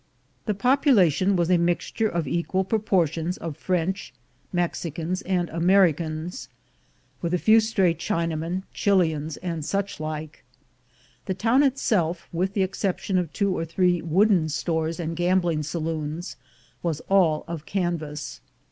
The population was a mixture of equal proportions A BULL AND BEAR FIGHT 275 of French, Mexicans, and Americans, with a few stray Chinamen, Chilians, and suchlike. The town itself, with the exception of two or three wooden stores and gambling saloons, was all of can vas.